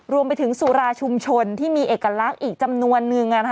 รวมไปถึงสุราชุมชนที่มีเอกลักษณ์อีกจำนวนนึง